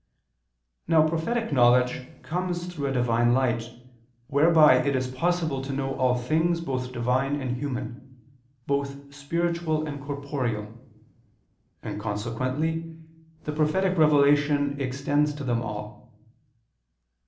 Now prophetic knowledge comes through a Divine light, whereby it is possible to know all things both Divine and human, both spiritual and corporeal; and consequently the prophetic revelation extends to them all.